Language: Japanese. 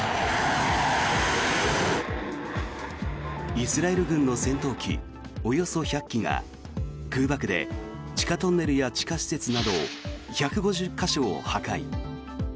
イスラエル軍の戦闘機およそ１００機が空爆で地下トンネルや地下施設など１５０か所を破壊。